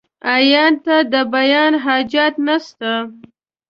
عيان ته ، د بيان حاجت نسته.